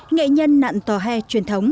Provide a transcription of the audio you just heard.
nghệ nhân nạn tòa hè truyền thống